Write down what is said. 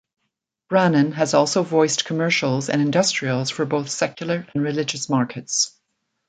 Brannan has also voiced commercials and industrials for both secular and religious markets.